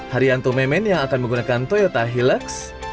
haryanto memen yang akan menggunakan toyota hilax